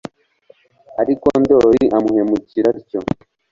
ariko Ndoli amuhemukira atyo.